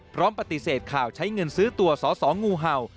พร้อมปฏิเสธข่าวใช้เงินซื้อตัวสอสองูเห่า